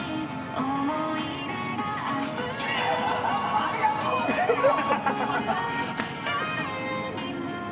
ありがとうございます！